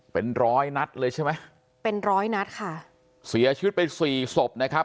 เป็นร้อยนัดเลยใช่ไหมเป็นร้อยนัดค่ะเสียชีวิตไปสี่ศพนะครับ